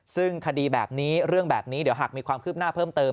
ซึ่งคดีแบบนี้เรื่องแบบนี้เดี๋ยวหากมีความคืบหน้าเพิ่มเติม